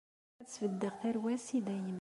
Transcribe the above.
Ad sbeddeɣ tarwa-s i dayem.